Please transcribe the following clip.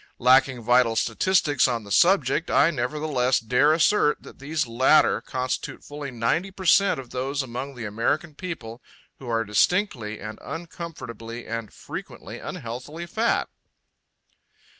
Lacking vital statistics on the subject, I nevertheless dare assert that these latter constitute fully 90 per cent of those among the American people who are distinctly and uncomfortably and frequently unhealthily fat.